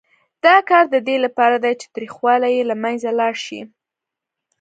دا کار د دې لپاره دی چې تریخوالی یې له منځه لاړ شي.